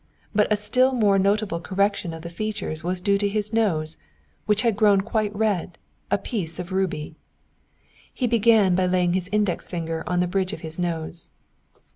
But a still more notable correction of the features was due to his nose, which had grown quite red, a piece of ruby. He began by laying his index finger on the bridge of his nose.